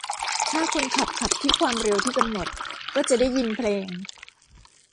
ถ้าคนขับขับที่ความเร็วที่กำหนด ก็จะได้ยินเพลง